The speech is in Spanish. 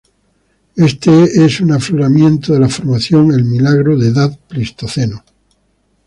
Este es un afloramiento de la formación el Milagro de edad Pleistoceno.